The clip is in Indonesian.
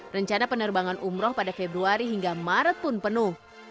rencana penerbangan umroh pada februari hingga maret pun penuh